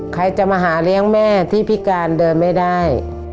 ใครจะมาหาเลี้ยงแม่ที่พิการเดินไม่ได้